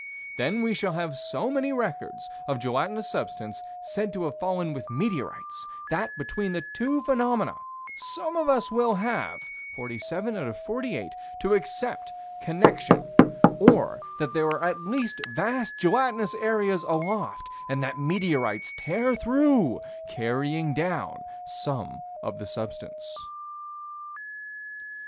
Then we shall have so many records of gelatinous substance said to have fallen with meteorites, that, between the two phenomena, some of us will have to accept connection or that there are at least vast gelatinous areas aloft, and that meteorites tear through, carrying down some of the substance.